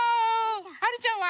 はるちゃんは？